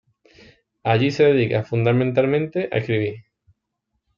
Allí se dedica, fundamentalmente, a escribir.